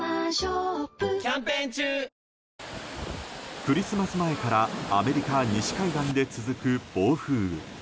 クリスマス前からアメリカ西海岸で続く暴風雨。